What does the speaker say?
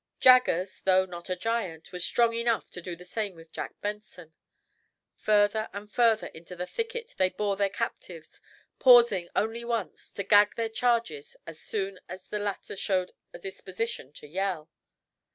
Jaggers, though not a giant, was strong enough to do the same with Jack Benson. Further and further into the thicket they bore their captives, pausing only once, to gag their charges as soon as the latter showed a disposition to yell.